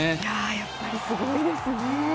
やっぱりすごいですね。